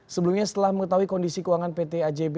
sebelumnya setelah mengetahui kondisi keuangan pt ajb